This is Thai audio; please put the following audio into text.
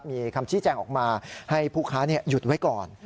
มีคำชี้แจงออกมาให้ผู้ค้าหยุดไว้ก่อน